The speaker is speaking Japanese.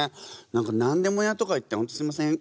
何か「なんでも屋」とか言って本当すいません。